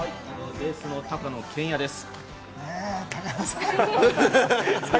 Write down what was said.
ベースの高野賢也です。